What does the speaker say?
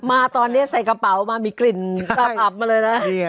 มาตอนนี้ใส่กระเป๋ามามีกลิ่นตับอับมาเลยนะ